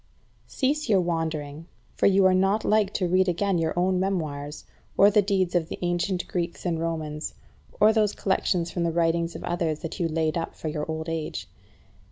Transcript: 14. Cease your wandering, for you are not like to read again your own memoirs, or the deeds of the ancient Greeks and Romans, or those collections from the writings of others that you laid up for your old age.